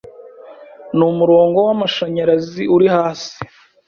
Numurongo w'amashanyarazi uri hasi